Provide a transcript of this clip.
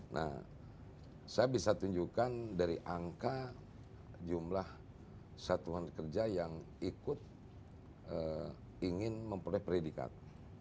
nah saya bisa tunjukkan dari angka jumlah satuan kerja yang ikut ingin memperoleh predikat